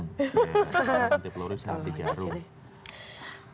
anti peluru anti jarum